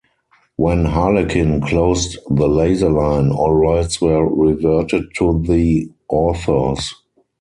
When Harlequin closed the Laser line, all rights were reverted to the authors.